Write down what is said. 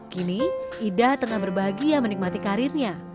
kini ida tengah berbahagia menikmati karirnya